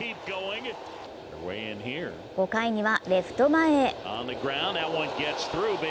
５回にはレフト前へ。